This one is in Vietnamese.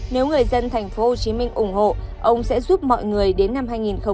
nếu người dân tp hcm ủng hộ ông sẽ giúp mọi người đến năm hai nghìn hai mươi